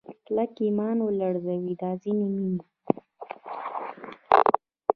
کلک ایمان ولړزوي دا ځینې مینې